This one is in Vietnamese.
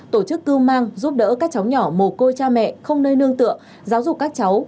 tổ chức cưu mang giúp đỡ các cháu nhỏ mồ côi cha mẹ không nơi nương tựa giáo dục các cháu